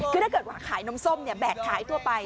คือถ้าเกิดขายน้ำส้มเนี่ยแบบขายทั่วไป